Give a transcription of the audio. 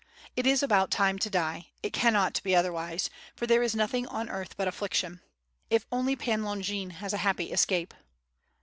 It is about time to die; it cannot be otherwise; for there is nothing on earth but affliction. If only Pan Longin has a happy escape!"